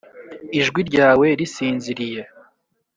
ijwi ryawe risinziriye.